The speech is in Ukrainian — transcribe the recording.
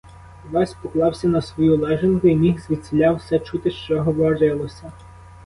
Івась поклався на свою лежанку і міг звідсіля усе чути, що говорилося.